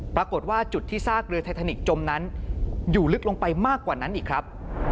ปรากฏว่าจุดที่ซากเรือไททานิกส์จมนั้นอยู่ลึกลงไปมากกว่านั้นอีกครับ